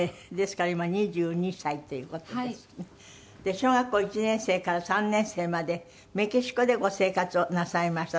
小学校１年生から３年生までメキシコでご生活をなさいました。